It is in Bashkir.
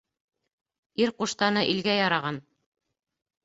Ир ҡуштаны илгә яраған